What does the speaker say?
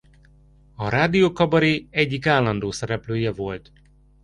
A Rádiókabaré egyik állandó szereplője volt.